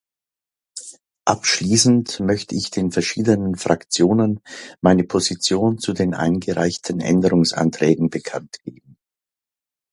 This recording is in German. Abschließend möchte ich den verschiedenen Fraktionen meine Position zu den eingereichten Änderungsanträgen bekannt geben.